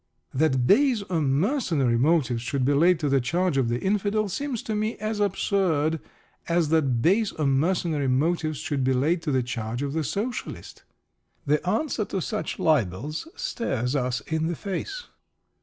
That base or mercenary motives should be laid to the charge of the Infidel seems to me as absurd as that base or mercenary motives should be laid to the charge of the Socialist. The answer to such libels stares us in the face.